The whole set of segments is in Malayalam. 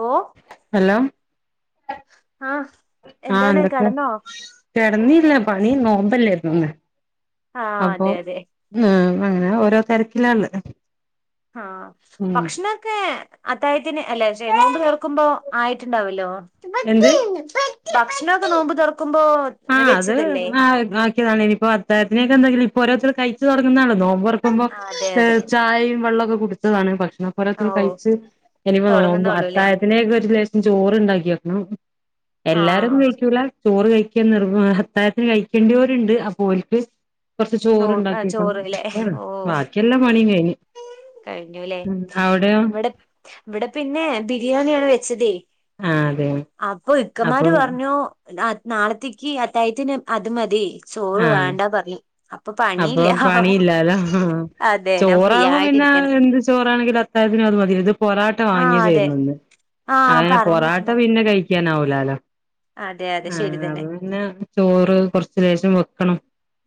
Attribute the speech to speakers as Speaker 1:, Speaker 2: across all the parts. Speaker 1: ഓ
Speaker 2: ഹലോ
Speaker 1: ആഹ്
Speaker 2: ആ
Speaker 1: എന്താണ്
Speaker 2: എന്തൊക്കെ
Speaker 1: കെടന്നോ
Speaker 2: കടന്നി പണി നോമ്പലായിരുന്നോ ഇന്ന്
Speaker 1: ആഹ അതെ അതെ
Speaker 2: അങ്ങനെ ഓരോ തിരക്കിലാന്ന്
Speaker 1: ആഹ ഭക്ഷണാക്കെ അത്തായത്തിന് അല്ലെ ഞണ്ട് വർക്കുമ്പോ ആയിട്ടുണ്ടാവല്ലോ
Speaker 2: എന്ത്
Speaker 1: ഭക്ഷണമക്കെ നോുമ്പോ തൊറ
Speaker 2: ആഹ് അത് ആക്കിയതാണ് ഇനിയിപ്പോ അത്തായത്തിനൊക്കെ എന്തെങ്കിലും ഇപ്പൊ ഓരോരുത്തർ കഴിച്ചച്ച് തുടങ്ങുന്നാണ് നോമ്പ്റക്കുമ്പോ
Speaker 1: ആഹ് അതെ അതെ
Speaker 2: ചായയും വെള്ളമൊക്കെ കുടിച്ചതാണ് പക്ഷെ അ പോലത്ത
Speaker 1: ഓഹ്
Speaker 2: കഴിച്ച്എനിപ്പോ നോ
Speaker 1: തൊടങ്ങുന്നൊള്ളൂല്ലേ
Speaker 2: അത്തായത്തിനേക്ക്ഒരു ലേശം ചോറ് ഉണ്ടാക്കി വെക്കണം എല്ലാരൊ
Speaker 1: ആഹ്
Speaker 2: ഒന്നും കഴിക്കൂല ചോറ് കഴിക്കാൻ നി ഹത്തായത്തിന് കഴിക്കേണ്ടിവരുണ്ട് അപോൽക്ക് കൊറച്ച്
Speaker 1: നോ ആ
Speaker 2: ചോറണ്ടാക്കിക്കണം
Speaker 1: ചോറ്ല്ലേ ഓഹ്
Speaker 2: ബാക്കിയെല്ലാം പണിയും കഴിഞ്
Speaker 1: കഴിഞ്ഞുല്ലേ ഇവിടെ ഇവിടെ പിന്നെ ബിരിയാണിയാണ് വെച്ചതേ
Speaker 2: ആഹ് അതെ
Speaker 1: അപ്പൊ
Speaker 2: അപ്പൊ
Speaker 1: ഇക്കന്മാര് പറഞ്ഞു നാളത്തേക്ക് അത്തായത്തിന് അത് മതി ചോറ്
Speaker 2: ആഹ്
Speaker 1: വേണ്ടാ പറഞ്ഞു
Speaker 2: അപ്പൊ പണിയില്ലാലോ
Speaker 1: അതെ ഞാൻ ഫ്രീ
Speaker 2: ചോറാകുമ്പോ പിന്നെ
Speaker 1: ആയിട്ടിരിക്കാണ്
Speaker 2: എന്ത് ചോറാണെങ്കിലും പിന്നെ എന്ത് ചോറാണെങ്കിലും അത്തായത്തിനും അത് മതി ഇത് പൊറാട്ട
Speaker 1: ആ അതെ
Speaker 2: വാങ്ങിയതായിരുന്നു ഒന്ന്
Speaker 1: ആ
Speaker 2: അങ്ങെ പൊറാട്ട
Speaker 1: പറഞ്ഞിട്ടുണ്ടായിരുന്നു
Speaker 2: പിന്നെ കഴിക്കാനാവുല ആ അ
Speaker 1: അതെ അതെ
Speaker 2: പിന്നെ
Speaker 1: ശരി തന്നെ
Speaker 2: അപ്പൊ പിന്നെ ചോറ് കൊറച്ച ലേശം വെക്കണം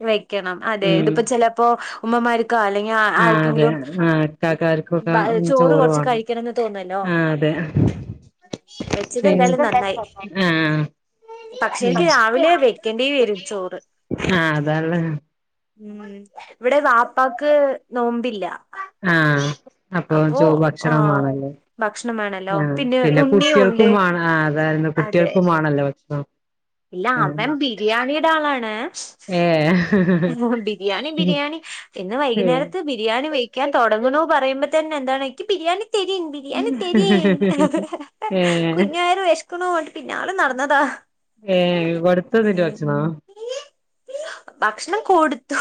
Speaker 1: വെക്കണം അതെ
Speaker 2: ഉം
Speaker 1: ഇതിപ്പോ ചിലപ്പോ ഉമ്മമാർ അല്ലെങ്കിൽ
Speaker 2: ആഹ് അതെ
Speaker 1: ആർക്കെങ്കിലും
Speaker 2: ആഹ് ഇക്കാക്കാർക്കൊക്കെ
Speaker 1: ചോറ് കുറച്ച്
Speaker 2: വേണം
Speaker 1: കഴിക്കണംന്ന് തോന്നല്ലോ
Speaker 2: ആഹ് അതെ
Speaker 1: വെച്ചത്
Speaker 2: പിന്നെ
Speaker 1: എന്തായാലും നന്നായി
Speaker 2: ആഹ
Speaker 1: പക്ഷെ എനിക്ക് രാവിലെ വെക്കേണ്ടി വരും ചോറ്
Speaker 2: ആഹ അതാള്ള
Speaker 1: ഉം ഇവിടെ വാപ്പാക്ക് നോമ്പില്ല
Speaker 2: ആഹ അപ്പൊ
Speaker 1: അപ്പോ ആഹ്
Speaker 2: ഭക്ഷണമാണല്ലേ
Speaker 1: ഭക്ഷണം വേണല്ലോ
Speaker 2: ആ പിന്നെ
Speaker 1: ഉണ്ണിയും ഉണ്ട്
Speaker 2: കുട്ടികൾക്കും മാണം ആ അതായിരുന്നു
Speaker 1: അതെ
Speaker 2: കുട്ടികൾക്കുംമാണല്ലോ ഭക്ഷണം
Speaker 1: ഇല്ല അവൻ ബിരിയാണിയുടെ ആളാണ്
Speaker 2: ഏ
Speaker 1: ബിരിയാണി ബിരിയാണി ഇന്ന് വൈകുന്നേരത്ത് ബിരിയാണി വ ക്ക്യാ തുടങ്ങുന്നൊ പറയുമ്പോ തന്നെ എന്താണ്ക്കിബിരിയാണി തെരീ ബിരിയാണി തെരീ
Speaker 2: ഏ
Speaker 1: കുഞ്ഞയർ വിശക്കുണ് പിന്നാലെ നടന്നതാ
Speaker 2: ഏർ വറുത്തതില്
Speaker 1: ഉം
Speaker 2: വച്ച്ണച്ഛനാ
Speaker 1: ഭക്ഷണം കൊടുത്തു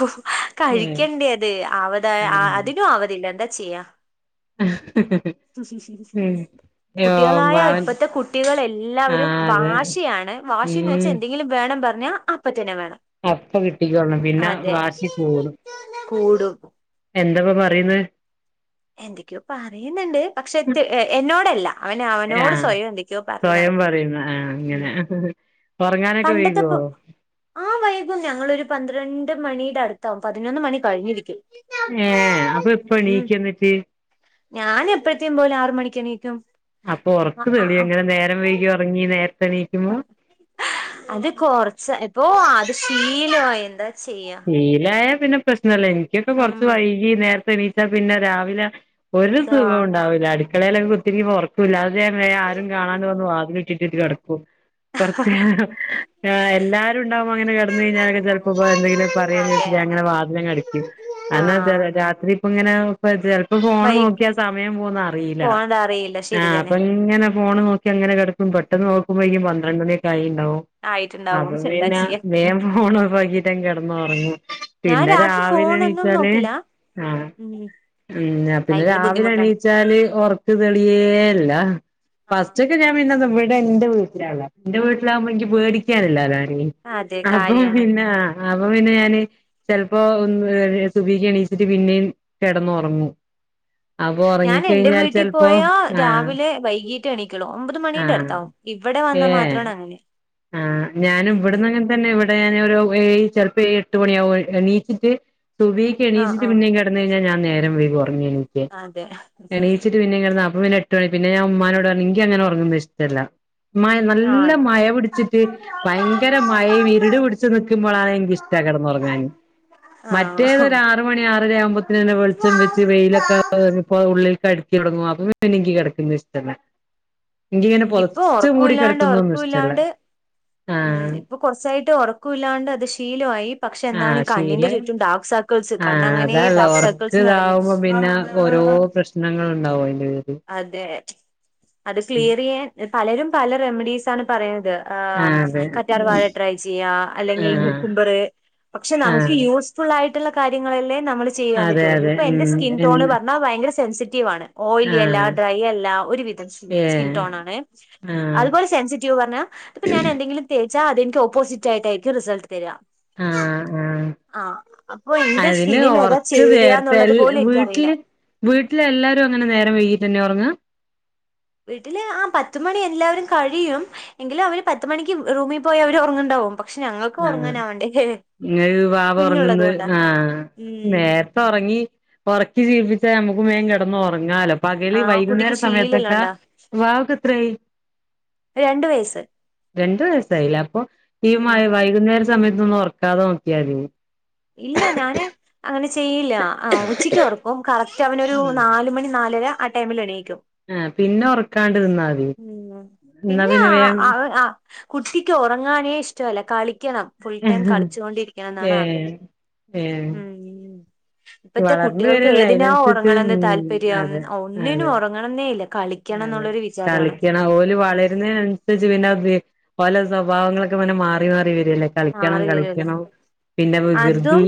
Speaker 2: ഏ
Speaker 1: കഴിക്കണ്ടേ അത് അവത അതിനും ആവതില്ല എന്താ ചെയ്യാ
Speaker 2: ഹിഹി ഉം
Speaker 1: കുട്ടികളായ ഇപ്പഴത്തെ കുട്ടികൾ
Speaker 2: ആ
Speaker 1: എല്ലാവരും
Speaker 2: അതെ
Speaker 1: വാശിയാണ് വാശിന്ന്
Speaker 2: ഉം
Speaker 1: വെച്ചാ എന്തെങ്കിലും വേണം പറ അപ്പ തന്നെ വേണം
Speaker 2: അപ്പ കിട്ടിക്കോള്ളണം പിന്നെ
Speaker 1: അതെ
Speaker 2: വാശിക്കൂടും
Speaker 1: കൂടും
Speaker 2: ന്തപ്പ പറയുന്നേ
Speaker 1: എന്തൊക്കോ പറയുന്നുണ്ട് പക്ഷെ എന്നോടല്ല അവന്
Speaker 2: ആഹ
Speaker 1: അവനോട് സ്വയം എന്തൊക്കെയോ പറഞ്ഞ്
Speaker 2: സ്വയം
Speaker 1: നടക്ക
Speaker 2: പറയുന്ന ആഹ
Speaker 1: ഉം
Speaker 2: അങ്ങനെ ഹ്‌ഹ് ഹ് ഉറങ്ങാനൊക്കെ വൈകോ
Speaker 1: പണ്ടത്തെപ്പോ ആ വൈകും ഞങ്ങളൊരു പന്ത്രണ്ട് മണിയുടെ അടുത്താവും പതിനൊന്ന് മണി കഴിഞ്ഞിരിക്കും
Speaker 2: ഏ അപ്പൊ ഇപ്പണീക്ക. ന്നിട്ട്
Speaker 1: ഞൻ എപ്പഴത്തേും പോലെ ആറ് മണിക്കെണീക്കും
Speaker 2: അപ്പൊ ഉറക്ക് തെളി എങ്ങനെ നേരം വൈകി ഉറങ്ങി നേ
Speaker 1: അത് കൊറച്ച് ഇപ്പൊ അത് ശീലമായി എന്താ ചെയ്യാ
Speaker 2: ശീലായ പിന്നെ പ്രശ്നല്ല എനിക്കൊക്കെ
Speaker 1: ഉം
Speaker 2: കൊറച്ച് വൈകി നേരത്തെ എനീച്ചാ പിന്നെ രാവിലെ ഒരു
Speaker 1: ദാ
Speaker 2: സുഖം ഉണ്ടാവില്ല അടുക്കളയിലൊക്കെ കുത്തിരിക്കുമ്പൊ ഒർക്ക് ല്ലാതായാൽ ആുരുംകാണാനെ ഞാൻ വാതില് ചറ്റ കുറച്ച് എല്ലാരും ഉണ്ടാവകുമ്പോ അങ്ങനെ കിടന്ന കഴിഞ്ഞാലൊക്കെ ചെപ്പോപ്പോ എന്തെങ്കിലും
Speaker 1: അതെ അതെ
Speaker 2: നെ വാം ക
Speaker 1: ആഹ്
Speaker 2: രാത്രി ഇങ്ങനെ ഇപ്പൊ ഫോണ്
Speaker 1: വൈ
Speaker 2: നോക്കിയാ സമയം പോന്ന അറിയില്ല
Speaker 1: പോണത് അറിയില്ല
Speaker 2: ആ
Speaker 1: ശരി തന്നെ
Speaker 2: അപ്പൊ ഇങ്ങനെ ഫോണ് നോക്കി അങ്ങനെ കിടക്കും പെട്ടന്ന് നോ കുമ്പനി പന്ത്രണ്ട് മണിയൊക്കെ ആയിണ്ടാവും
Speaker 1: ആയിട്ടുണ്ടാവും
Speaker 2: അപ്പ
Speaker 1: എന്താ
Speaker 2: പിന്നെ
Speaker 1: ചെയ്യാ
Speaker 2: വേം ഫോൺ ഓഫാകീട്ട് കെ ന്ന് ഉറങ്ങും
Speaker 1: ഞാൻ
Speaker 2: പിന്നെ
Speaker 1: രാത്രി
Speaker 2: രാവിലെ
Speaker 1: ഫോണൊന്നും
Speaker 2: എണീച്ചാല്
Speaker 1: നോക്കില്ല
Speaker 2: ആ
Speaker 1: ഉം
Speaker 2: ഉം പിന്നെ
Speaker 1: ഭയങ്കര
Speaker 2: രാവിലെ
Speaker 1: ബുദ്ധിമുട്ടാണ്
Speaker 2: എണീച്ചാല് ഉറക്ക് തെളിയേ ഇല്ല
Speaker 1: ആഹ്
Speaker 2: ഫസ്റ്റ് ഒക്കെ ഞാൻ പിന്നമ്മടെ എന്റെ വീട്ടിലാ എന്റെ വീട്ടിലാകുമ്പോ എനിക്ക് പേടിക്കാനില്ലല്ലോ
Speaker 1: അതെ
Speaker 2: അപ്പം
Speaker 1: കാര്യാണ്
Speaker 2: പിന്നെ അപ്പൊ പിന്നെ ഞാന് ചെലപ്പോ ഒന്ന് സുഭീക്ക് എണീച്ചിട്ട് പിന്നേ കിടന്ന് ഉറങ്ങു
Speaker 1: ഞാൻ എന്റെ വീട്ടിൽ പോയാ
Speaker 2: ആഹ്
Speaker 1: രാവിലെ വൈകീ റ്റ മണിക്കുള്ളൂ ഒമ്പത് മണിൻ്റെ
Speaker 2: ആഹ്
Speaker 1: അടുത്താവും ഇവിടെ വന്നാൽ മാത്രമാണ് അങ്ങനെ
Speaker 2: ആ ഞാനും
Speaker 1: ഉം
Speaker 2: ഇവിടുന്നങ്ങ തന്നെ ഇവിടെ ഞാൻ ഒരു ഏഴ് ചെൽപ്പ എട്ട് മണിയാവും എനീച്ചിട്ട് സുബീക്ക്
Speaker 1: ആഹ്
Speaker 2: എണീച്ചിട്ട്
Speaker 1: ആഹ്
Speaker 2: പിന്നെ കെടന്നു കഴിഞ്ഞാ ഞാൻ നേരം വൈകും ഒ ഒന്ന് എണീക്കാൻ
Speaker 1: അതെ
Speaker 2: പിന്നെ എണീച്ചിട്ട് പിന്നേം കിടന്നാൽ അെ എട്ട് മണി പിന്നെ ഞാൻ മ്മന്നെ മ്മന്നെ എട്ട് മണി പിന്നെ ഞാൻ ഉമ്മാനോട് പറഞ്ഞ് ഇങ്കി അങ്ങനെ ഉറങ്ങുന്നുന്നത് ഇഷ്ടമല്ല ഉമ്മ നല്ല
Speaker 1: ആഹ് അതെ
Speaker 2: മഴ പിടി ച്ച് ഭയങ്കര മഴ വിരുട് പിടിച്ച് നിക്കുമ്പോളാണ് എനിക്ക് ഇഷ്ട കിടന്നുറങ്ങാൻ മറ്റേത്
Speaker 1: ആഹ്
Speaker 2: ഒരു ആറ് മണി ആറര ആവുമ്പോത്തന്നെ വെളിച്ചം വെച്ച് വെയിലൊക്കെ [unintelligible] ഉള്ളിൽക്ക് അടിക്ക് തുടങ്ങും അപ്പൊ പിന്നെ എനിക്ക് കിടക്കുന്നത് ഇഷ്ടല്ല എങ്കിങ്ങനെ
Speaker 1: ഇപ്പൊ
Speaker 2: പൊതച്ച് മൂടി
Speaker 1: ഉറക്കമില്ലാണ്ട്
Speaker 2: കിടക്കുന്നൊന്നും ഇഷ്ടല്ല
Speaker 1: ഉറക്കമില്ലാണ്ട് ഉം
Speaker 2: ആഹ്
Speaker 1: ഇപ്പൊ കുറച്ചായിട്ട് ഉറക്കില്ലാണ്ട് അത് ശീലമായി പക്ഷെ എന്താണ്
Speaker 2: ആഹ്
Speaker 1: ഈ കണ്ണിന്റെ
Speaker 2: ശീലായി
Speaker 1: ചുറ്റും ടാ സർക്കിൾസ് കണ്ണ്
Speaker 2: ആഹ്
Speaker 1: അങ്ങനെ
Speaker 2: അതാള്ള
Speaker 1: ഡാർക്ക്
Speaker 2: ഒർക്ക്
Speaker 1: സർക്കിൾസ് നിറഞ്ഞു
Speaker 2: ഇതാവുമ്പോ പിന്നെ ഓരോ പ്രശ്നങ്ങൾ ഉണ്ടാവും അതിന്റെ
Speaker 1: അതെ അത് ക്ലിയർ ചെയ്യാൻ പലരും പല റെമഡീസ് ആണ് പറയ ത് ആ
Speaker 2: പേരിൽ ആഹ് അതെ
Speaker 1: കറ്റാർ വാഴ ട്രൈ ചെയ്യ അല്ലെങ്കിൽ
Speaker 2: ആഹ്
Speaker 1: കുക്കുമ്പറ് പക്ഷെ
Speaker 2: ആഹ്
Speaker 1: നമുക്ക് യൂസ്ഫുൾ ആയിട്ട് ട്ടുള്ള കാര്യങ്ങളല്ലേ നമ്മള് ചെയ്യാൻ
Speaker 2: അതെ
Speaker 1: പറ്റയുള്ളൂ
Speaker 2: അതെ
Speaker 1: ഇപ്പൊ
Speaker 2: ഉം
Speaker 1: എന്റെ സ്കിൻ ടോൺ
Speaker 2: എന്ന്
Speaker 1: പറഞ്ഞ ഭയങ്കര സെൻസിറ്റീവ് ആണ് എല്ല
Speaker 2: ആഹ്
Speaker 1: ഡ്രൈ അല്ല ഒരു വിധം സ്കിൻ
Speaker 2: ഏഹ്
Speaker 1: ടോൺ ആണേ
Speaker 2: ആഹ്
Speaker 1: അതുപോലെ സെൻസിറ്റീവ് പറഞ്ഞ ഇപ്പ ഞാന് എന്തെങ്കിലും തേച്ചാ അതെനി ഓപ്പോസിറ്റയിട്ടായിരിക്കും റിസൾട്ട് തരിക
Speaker 2: ആ ആ
Speaker 1: ആ അപ്പൊ എന്റെ
Speaker 2: അതിന്
Speaker 1: സ്കിന്നിന് ഏതാ
Speaker 2: ഉറക്ക്
Speaker 1: ചേരുക
Speaker 2: നേർത്തെ
Speaker 1: എന്നുള്ളത്
Speaker 2: എല്ല
Speaker 1: പോലും എനിക്കറിയില്ല
Speaker 2: വീട്ടില് വീട്ടിലെ എല്ലാരും അങ്ങനെ നേരം വഴകിട്ട തന്നെ ഓർങ്ങ
Speaker 1: വീട്ടില് ആ പത്തുമണി എല്ലാവരും കഴിയും എങ്കിലും അവര് പത്തുമണിക്ക് റൂമിൽ പോയി അവര് ഉറങ്ങണ്ടാവും പക്ഷെ ഞങ്ങൾക്ക് ഉറങ്ങാന ആവണ്ടേ
Speaker 2: ങ്ങൾക്ക് വാവ ഉറങ്ങുന്നത് ആ
Speaker 1: ഉം
Speaker 2: നേരത്തെ ഉറങ്ങി ഉറക്കി ശീലി പേ നമുക്ക് മേൻ കിടന്ന് ഉറങ്ങാലോ പകല്
Speaker 1: ആ
Speaker 2: വൈകുന്നേര
Speaker 1: കുട്ടിക്ക് ശീലല്ല
Speaker 2: സമയത്തൊക്കെ
Speaker 1: ഉണ്ടാ
Speaker 2: വാക്ക് എത്രയായി
Speaker 1: രണ്ട് വയസ്സ്
Speaker 2: രണ്ടു വയസായില്ല അപ്പൊ
Speaker 1: ഉം
Speaker 2: ഈമായ എ സമയത്ത് ഒന്നും ഉറക്കാതെ നോക്കിയാതി
Speaker 1: ഇല്ല ഞാന് അങ്ങനെ ചെയ്യില്ല ആ ഉച്ചക്ക് ഉറക്കും കറ പക്ഷെ അവനൊരു
Speaker 2: ഉം
Speaker 1: നാല് മണി നാലര ആ ടൈമിൽ എണീ
Speaker 2: ആ പിന്നെ ഉറക്കാണ്ടിരുന്ന
Speaker 1: ഉം പിന്നെ കുട്ടിക്ക് ആ ആ ഉറങ്ങാനേ ഇഷ്ടമല്ല കളി കണം ഫുൾ ടൈം കളിച്ചുകൊണ്ടിരിക്കണം എന്നാണ്
Speaker 2: ഏ
Speaker 1: ആഗ്രഹം
Speaker 2: ഏ
Speaker 1: ഉം ഇപ്പത്തെ
Speaker 2: വളർന്ന്
Speaker 1: കുട്ടികൾക്ക്
Speaker 2: വരല്ലേ
Speaker 1: ഏതിനാ
Speaker 2: അതിനനുസരിച്ച് ഉം
Speaker 1: ഉറങ്ങണന്ന് താല്പര്യം
Speaker 2: അതെ
Speaker 1: ഒന്നിനും
Speaker 2: അതെ
Speaker 1: ഉറങ്ങണന്നേ ഇല്ല കളിക്കാ ണം
Speaker 2: അതെ
Speaker 1: എന്നരു വിച
Speaker 2: കളിക്കണം ഓലെ വളരുന്ന അനുസരിച്ച് പിന്നെ ഓലേ സ്വഭാവങ്ങളൊക്കെ പിന്നെ മാറി മാറി വരും
Speaker 1: ആ അറല്ലല്ലേ
Speaker 2: പിന്നെ
Speaker 1: അതും
Speaker 2: വികൃതി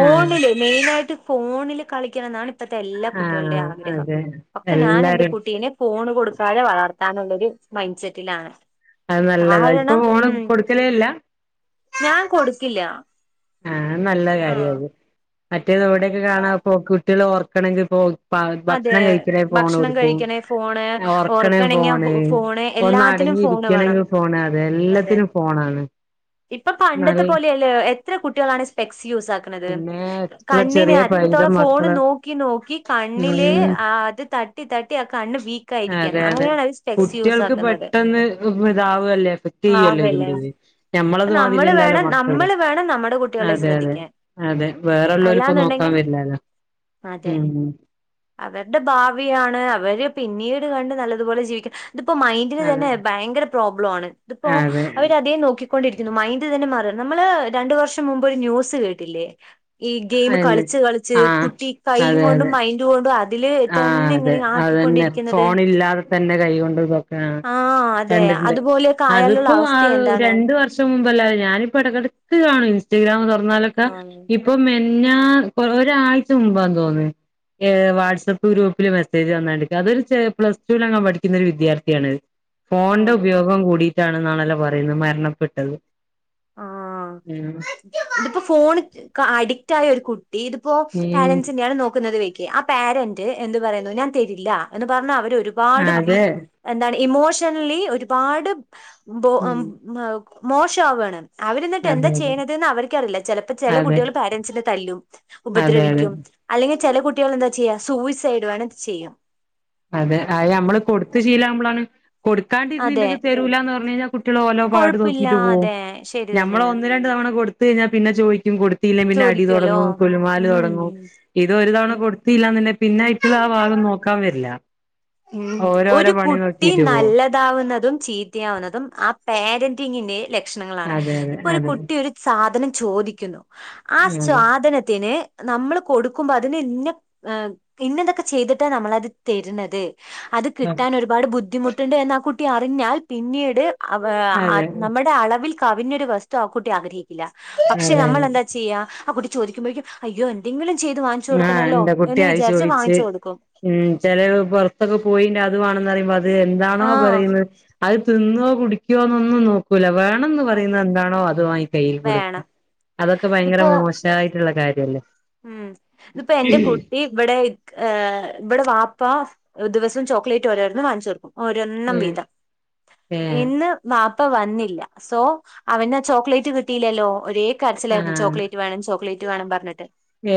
Speaker 2: ആ
Speaker 1: മെയിനായിട്ട് ഫോണിൽ കളിക്കണം എന്നാണ് ഇപ്പഴത്തെ എല്ലാ
Speaker 2: ആ
Speaker 1: കുട്ടികളുടെയും ആഗ്രഹം
Speaker 2: അതെ
Speaker 1: പക്ഷെ ഞാൻ എന്റെ
Speaker 2: എല്ലാരും
Speaker 1: കുട്ടീനേ ഫോണ് കൊടുക്കാതെ വളർത്താനുള്ളരു മൈൻഡ് സെറ്റിലാണ്
Speaker 2: അത് നല്ലതാ ഇപ്പൊ
Speaker 1: കാരണം
Speaker 2: ഫോണ്
Speaker 1: ഉം
Speaker 2: കൊടുക്കലേല്ല
Speaker 1: ഞാൻ കൊടുക്കില്ല
Speaker 2: ആ നല്ല
Speaker 1: ആ
Speaker 2: കാര്യ അത് മറ്റേത് എവിടെക്കെ കാണാ പോ കുട്ടികൾ ഓർക്കണെങ്കി പോ
Speaker 1: അതെ
Speaker 2: ഭക്ഷണം കഴിക്കണേ പോണ്
Speaker 1: ഭക്ഷണം
Speaker 2: കൊടുക്കും
Speaker 1: കഴിക്കണേ ഫോണ്
Speaker 2: ഉറക്കണേ
Speaker 1: ഉറക്കണെങ്കി
Speaker 2: പോണ്
Speaker 1: ഫോണ്
Speaker 2: ഒന്നാ
Speaker 1: എല്ലാത്തിനും ഫോണ് വേണം
Speaker 2: അടങ്ങിരിക്കണമെങ്കിൽ ഫോണാണ്
Speaker 1: അതെ
Speaker 2: എല്ലാത്തിനും ഫോൺ ആണ്
Speaker 1: ഇപ്പൊ പണ്ടത്തെ പോലെ അല്ല ഇത്ര കുട്ടികളാണ് സ്പെക്സ് യൂസ് ആക്കുന്നത്
Speaker 2: പിന്നെ എത്ര
Speaker 1: കണ്ണിന്
Speaker 2: ചെറിയ
Speaker 1: അത്രത്തോളം
Speaker 2: പൈതം
Speaker 1: ഫോൺ
Speaker 2: മക്കള്
Speaker 1: നോക്കി നോക്കി കണ്ണില്
Speaker 2: ഉം
Speaker 1: അത് തട്ടി തട്ടി കണ്ണ് വീക്കായിരിക്കാണ്
Speaker 2: അതെ അതെ
Speaker 1: അങ്ങനെയാണ് അത് സ്പെക്സ് യൂസ്
Speaker 2: കുട്ടികൾക്ക്
Speaker 1: ആക്കുന്നത്
Speaker 2: പെട്ടെന്ന് ഇതാവല്ലേ എഫക്ട് ചെയ്യല്ലോ
Speaker 1: ആവല്ലേ
Speaker 2: ണ്ടേത് ഞമ്മളത്
Speaker 1: അപ്പൊ നമ്മള്
Speaker 2: മാതിരില്ലല്ലോ
Speaker 1: വേണം
Speaker 2: മക്കള്
Speaker 1: നമ്മള് വേണം നമ്മുടെ കുട്ടികളെ
Speaker 2: അതെ അതെ
Speaker 1: ശ്രദ്ധിക്കാൻ
Speaker 2: അതെ വേറെള്ളവരി ഇപ്പോ നോക്കാ വരില്ലാല്ലോ
Speaker 1: അതെ അവരുടെ ഭാവിയാണ് അവര് പിന്നീട് കണ്ട് നല്ലതുപോലെ ജീവിക്ക ഇതിപ്പോ മൈൻഡന്
Speaker 2: അതെ
Speaker 1: തന്നെ ഭയങ്കര പ്രോബ്ലം ആണ് ഇതിപ്പോ
Speaker 2: അതെ
Speaker 1: അവര് അതെ നോക്കി കൊണ്ടിരിക്കുന്നു മൈൻ്റ് തന്നെ മാറി നമ്മള് രണ്ടു വർഷം മുമ്പ് ഒരു ന്യൂസ് കേട്ടില്ലേ ഈ ഗെയിം
Speaker 2: അതെ
Speaker 1: കളിച്ച് കളിച്ച് കുട്ടി കൈയും കൊണ്ടും മൈൻഡ് കൊണ്ടും അതില്
Speaker 2: ആ
Speaker 1: തന്നെ
Speaker 2: അതെ
Speaker 1: ഇങ്ങനെ
Speaker 2: അത് തന്നെ
Speaker 1: ആക്കിക്കൊണ്ടിരിക്കുന്നത്
Speaker 2: ഫോണ് ഇല്ലാതെ തന്നെ കൈകൊണ്ടതൊക്കെയാണ്
Speaker 1: ആഹ് അതെ
Speaker 2: കണ്ട്
Speaker 1: അതുപോലെയൊക്കെ ആയാലുള്ള
Speaker 2: അതിപ്പോ
Speaker 1: അവസ്ഥ എന്താണ്
Speaker 2: രണ്ട് മുൻപുള്ള കാര്യം ഞാനിപ്പ ഇടക്കിടക്ക് കാണും ഇൻസ്റ്റഗ്രാം തുറന്നാലൊക്കെ ഇപ്പൊ പിന്ന ഒരാഴ്ച മുമ്പാ തോന്നുന്നത് വാഡ്‌സ് വാട്സപ്പ് ഗ്രൂപ്പില് മെസേജ് വന്നതണ്ട് അത് ഒരു ചെറി പ്ലസ് ടുവിൽ അങ്ങാണ്ട പഠിക്കുന്നെരു വിദ്യാത്ഥിയാണ് ഫോണിന്റെ
Speaker 1: ആഹ്
Speaker 2: ഉപയോഗം കൂടിട്ടാണന്നാണല്ലോ പറയുന്നത് മരണപ്പെട്ടത്
Speaker 1: ആ
Speaker 2: ഉം
Speaker 1: ഇതിപ്പോ ഫോൺ അഡിക്റ്റ് ആയ ഒരു കുട്ടി ഇതിപ്പോ
Speaker 2: ഉം
Speaker 1: പാരൻ്റസ് തന്നെയാണ് നോക്കുന്നത് വെക് ആ പാരന്റ് എന്ത് പറയുന്നു ഞാൻ തരില്ല എന്ന് പറഞ്ഞ അവര് ഒരുപാട് വി
Speaker 2: അതെ
Speaker 1: എന്താണ് ഇമോഷണലി ഒരുപാട്
Speaker 2: ഉം
Speaker 1: മോശവയാണ് അവർ എന്നിട്ട് എന്താ
Speaker 2: അതെ അതെ
Speaker 1: ചെയ്യണതന്ന് അവർക്ക്റിയില്ല ചിലപ്പോ ചില
Speaker 2: അതെ
Speaker 1: കുട്ടികൾ പാരൻറ്സിന്റെ തല്ലും
Speaker 2: അതെ അതെ
Speaker 1: ഉപദ്രവിക്കും അല്ലെങ്കിൽ ചില കുട്ടികൾ എന്താ ചെയ്യാ സൂയിസൈഡ് വേണം ചെയ്യാം
Speaker 2: അതെ അത് നമ്മള് കൊടുത്തു ശീലം നമ്മളാണ് കൊടുക്കാണ്ടിരുന്ന
Speaker 1: അതെ
Speaker 2: എന്തെങ്കില തരൂലന്ന് പറഞ്ഞഞ് കഴിഞ്ഞാൽ കുട്ടികള് ഓലോ പാട്
Speaker 1: കൊഴപ്പില്ല
Speaker 2: നോക്കിയിട്ട് പോകും
Speaker 1: അതെ ശരി
Speaker 2: ഞമ്മള്
Speaker 1: തന്നെയാണ്
Speaker 2: ഒന്ന് രണ്ട് തവണ കൊടുത്ത് കഴിഞ്ഞാൽ പിന്നെ ചോദിക്കും കൊ ത്തിയില്ല പിന്നെ അടി
Speaker 1: ചോദിക്കുവല്ലോ
Speaker 2: തുടങ്ങും കുലുമാല് തുടങ്ങും
Speaker 1: ഉം
Speaker 2: ഇത് ഒരു തവണ കൊടുത്തില്ലന്ന്ന്നെ പിന്നെ ഇപ്പൾ ആ ഭാഗം നോക്കാൻ വരില്ല
Speaker 1: ഉം
Speaker 2: ഓരോരോ
Speaker 1: ഒരു
Speaker 2: പണി
Speaker 1: കുട്ടി
Speaker 2: നോക്കിട്ട് പോവും
Speaker 1: നല്ലതാവുന്നതും ചീത്തയാവുന്നതും ആ പേരൻ്റ് ങ്ങിന്റെ ലക്ഷണങ്ങളാണ്
Speaker 2: അതെ
Speaker 1: ഇപ്പോ ഒരു
Speaker 2: അതെ
Speaker 1: കുട്ടി ഒരു സാധനം ചോദിക്കുന്നു ആ
Speaker 2: അതെ അതെ
Speaker 1: സ്വാദനത്തിന് നമ്മള് കൊടുക്കുമ്പോ അതിന് ഇന്ന ഇന്നെന്തൊക്കെ ചെയ്തിട്ടാണ് നമ്മളത് തരുന്നത് അത് കിട്ടാൻ ഒരുപാട് ബുദ്ധിമുട്ടുണ്ട് എന്ന ആ കുട്ടി അറിഞ്ഞാൽ പിന്നീട് അവ
Speaker 2: അതെ
Speaker 1: നമ്മുടെ അളവിൽ കവിഞ്ഞൊരു വസ്തു ആ കൂട്ടി ആഗ്രഹിക്കൂല പക്ഷെ
Speaker 2: അതെ
Speaker 1: നമ്മൾ
Speaker 2: അതെ
Speaker 1: എന്താ ചെയ്യാ ആ കുട്ടി ചോദിക്കുമ്പോഴേക്കും അയ്യോ എന്തെങ്കിലും ചെയ്ത് വാങ്ങിച്ചു
Speaker 2: ആഹ്
Speaker 1: കൊടുക്കണല്ലോ
Speaker 2: ഇണ്ട് കുട്ടി
Speaker 1: എന്ന്
Speaker 2: അത്
Speaker 1: വിചാരിച്ച്
Speaker 2: ചോയിച്ച്
Speaker 1: വാങ്ങിച്ചു കൊടുക്കും
Speaker 2: ഉം ചില പുറത്തൊക്കെ പോയി് അത് വേണെന്ന് പറയുമ്പോ അത് എന്താണോ
Speaker 1: ആ
Speaker 2: പറയുന്നത് അത് തിന്നോ കുടിക്കുവോന്നൊന്നും നോക്കൂല്ല വേണംന്ന്
Speaker 1: ഓക്കെ
Speaker 2: പറയുന്നത് എന്താണോ അത് വാങ്ങിക്കും കയ്യിൽ
Speaker 1: വേണം
Speaker 2: കൊടുക്കുക അതൊക്കെ ഭയങ്കര
Speaker 1: ഇതിപ്പോ
Speaker 2: മോശമായിട്ടുള്ള കാര്യല്ലേ
Speaker 1: ഉം ഇതിപ്പോ എന്റെ കുട്ടി ഇവിടെ ഇവിടെ വാപ്പ ദിവസം ചോക്ലേറ്റ് ഓരോരുന്ന് വാങ്ങിച്ചുർക്കും ഒരെണ്ണം
Speaker 2: ഏഹ്
Speaker 1: വീതം
Speaker 2: ഏഹ്
Speaker 1: ഇന്ന് വാപ്പ ഇപ്പൊ വന്നില്ല സോ അവന് ചോക്ലേറ്റ് കിട്ടില്ലല്ലോ ഒരേ കരച്ചിലാരുന്നു
Speaker 2: ആഹ്
Speaker 1: ചോക്ലേറ്റ് വേണം ചോക്ലേറ്റ് വേണം പറഞ്ഞിട്ട്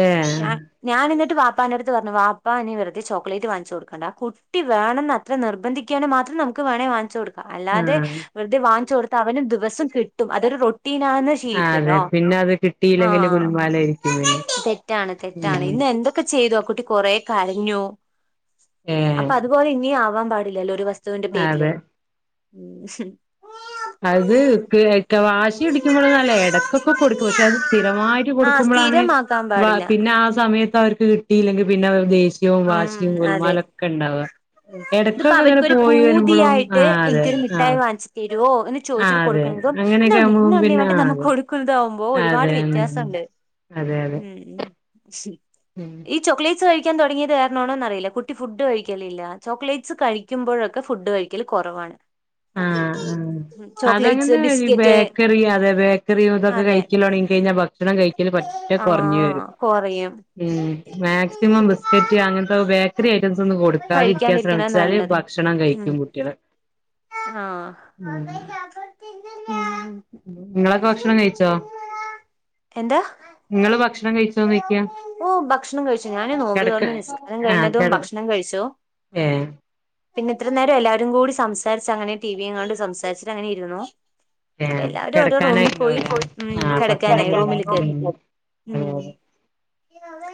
Speaker 2: ഏഹ്
Speaker 1: ഞാൻ വാപ്പാൻ്റെടുത്ത് പറഞ്ഞു വാപ്പാ ഇനി വെറുതെ ചോക്ലേറ്റ് വാങ്ങിച്ച് കൊടുക്കണ്ട കുട്ടി വേണംന്ന് അത്ര നിർബന്ധിക്കുകാണ് മാത്രം നമുക്ക് വേണേൽ വാങ്ങിച്ച് കൊടുക്കാം അല്ലാതെ
Speaker 2: ആഹ്
Speaker 1: വെുതെ വാങ്ങിച്ച് കൊടുത്തു അവന് ദിവസം കിട്ടും അതൊരു റൊ ട്ടീനാന്ന് ശീലിക്കല്ലോ
Speaker 2: അതെ പിന്നെ അത് കിട്ടിയില്ലെങ്കില്
Speaker 1: ആഹ്
Speaker 2: ഗുൽമാലായിരിക്കും പിന്നെ
Speaker 1: തെറ്റാണ് തെറ്റാണ്
Speaker 2: ഉം
Speaker 1: ഇന്ന് എന്തൊക്കെ ചെയ്തു ആ കുട്ടി കൊറെ കഴഞ്ഞു
Speaker 2: ഏഹ്
Speaker 1: അപ്പൊ അതുപോലെ ഇനിയും ആവാൻ പാടില്ലല്ലോ ഒരു വസ്തുവിന്റെ
Speaker 2: അതെ
Speaker 1: പേരില് ഉ ശരി [unintelligible]
Speaker 2: അത് െ വാശി പിടിക്കുമ്പോൾ നല്ല ഇടയ്ക്കൊക്കെ കൊടുക്കും പക്ഷെ അത് സ്ഥിരമായിട്ട്
Speaker 1: ആഹ്
Speaker 2: കൊടുക്കുമ്പോഴാണ്
Speaker 1: സ്ഥിരമാക്കാൻ പാടില്ല
Speaker 2: പിന്നെ ആ സമയത്ത് അവർക്ക് കിട്ടിയില്ലെങ്കിൽ പിന്നെ അവദ്ദേ ശ്യവും വാശിയും ഗൽമാലൊക്കെ ഉണ്ടാവുക
Speaker 1: അപ്പോൊ
Speaker 2: ഇടക്കൊക്കെ ഇങ്ങനെ
Speaker 1: അവർക്കൊരു
Speaker 2: പോയി വരുമ്പോഴും ആ
Speaker 1: പൂതിയായിട്ട്
Speaker 2: അതെ
Speaker 1: എനിക്കൊരു
Speaker 2: ആ
Speaker 1: മിഠായി വാങ്ങിച്ചിട്ട ോ എന്ന്
Speaker 2: ആ
Speaker 1: ചോദിച്ചിട്ട്
Speaker 2: അതെ
Speaker 1: കൊടുക്കുന്നത്
Speaker 2: അങ്ങനെയൊക്കെ
Speaker 1: ഇ
Speaker 2: ആകുമ്പോം
Speaker 1: ഇാണ്ടി
Speaker 2: പിന്നെ
Speaker 1: വണ്ടി
Speaker 2: ആ
Speaker 1: നമ്മുക്ക്
Speaker 2: അതെ
Speaker 1: കൊടുക്കുന്നത ആാവുമ്പോ ഒരുപാട്
Speaker 2: അതെ ഉം
Speaker 1: വ്യത്യാസംുണ്ട്
Speaker 2: അതെ അതെ
Speaker 1: ഉ
Speaker 2: ഉം
Speaker 1: ഈ ചോക്ലേറ്റ്സ് കഴിക്കാൻ തു തുടങ്ങിയത് കാരണോന്ന് അറിയില്ല കുട്ടി ഫുഡ് കഴിക്കലില്ല ചോക്ലേറ്റ്സ് കഴിക്കുമ്പോഴൊക്കെ ഫുഡ് കഴിക്കല് കുറവാണ്
Speaker 2: ആഹ ഉ
Speaker 1: ചോക്ലേറ്റ്സ്
Speaker 2: അതങ്ങനെ ഈ
Speaker 1: ബിസ്ക്കറ്റ്
Speaker 2: ബേക്കറി അതെ ബേക്കറ ഇതൊക്കെ
Speaker 1: അതെ
Speaker 2: കഴിക്കലോണെങ്ക കഴിഞ്ഞാൽ ഭക്ഷണം കഴ എൽ പറ്റ കുറഞ്ഞ
Speaker 1: ആഹ്
Speaker 2: വരും
Speaker 1: കൊറയും
Speaker 2: ഉം മാക്സിമം ബിസ്ക്കറ്റ് അങ്ങനത്തെ ബേക്കറി ഐറ്റംസ് ഒന്നും കൊടുക്കാതിരിക്കാൻ
Speaker 1: കഴിക്കാണ്ടിരിക്കണ
Speaker 2: ശ്രമിച്ചാല്
Speaker 1: നല്ലത്
Speaker 2: ഭക്ഷണം കഴിക്കും കുട്ടികള് ഉം
Speaker 1: ആഹ
Speaker 2: നിങ്ങളൊക്കെ ഭക്ഷണം കയിിച്ചോ
Speaker 1: എന്താ
Speaker 2: നിങ്ങള് ഭക്ഷണം കഴിച്ച തോന്നിക്കയാ
Speaker 1: ഓ ഭക്ഷണം കഴിച്ചോ ഞാനേ നോമ്പ് തറർന്ന് നിസ്കാരം കഴിഞ്ഞതും ഭക്ഷണം കഴിച്ചോ
Speaker 2: ആഹ
Speaker 1: പിന്നെ ഇത്ര നേരം എല്ലാരും കൂടി സംസാരിച്ച അങ്ങനെ ടിവിയും കൊണ്ട് സംാരിച്ചിട്ട അങ്ങനെ ഇരുന്നോ
Speaker 2: ഏ
Speaker 1: ഇപ്പ എല്ലാവരും ഓരോ റൂമിൽ പോയി
Speaker 2: കിടക്കാനായിണ്ടാവൂലേ
Speaker 1: ഉ
Speaker 2: ആ പത്ത് മണി
Speaker 1: കിടക്കാനായി റൂമിൽ കേറി ഉം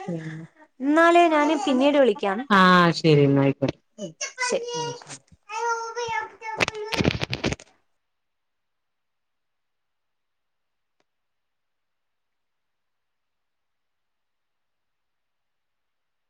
Speaker 2: പി
Speaker 1: എന്നല് ഞാന് പിന്നീട് വിളിക്കാം
Speaker 2: ശരി എന്നാ ആയിക്കോട്ടെ
Speaker 1: ശരി
Speaker 2: ആ ശരി
Speaker 1: അ [unintelligible]
Speaker 2: [unintelligible]